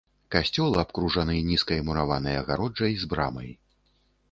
Касцёл абкружаны нізкай мураванай агароджай з брамай.